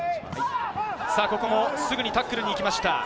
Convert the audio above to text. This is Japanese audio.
ここもすぐにタックルに行きました。